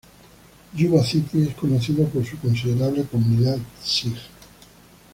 Yuba City es conocido por su considerable comunidad sij.